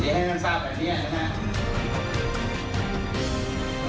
ให้ท่านทราบแบบนี้นะครับ